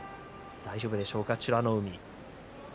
大丈夫でしょうか美ノ海。